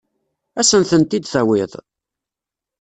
Ad asen-tent-id-tawiḍ?